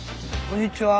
こんにちは。